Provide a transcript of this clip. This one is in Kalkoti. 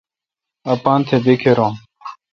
اپان تھ بیکھر رون۔